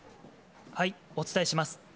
お伝えします。